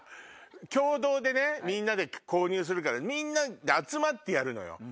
共同でみんなで購入するからみんなで集まってやるのよ。